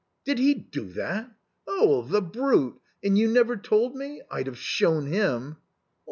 " Did he do that ? Oh, the brute ! And you never told me ! I'd have shown him."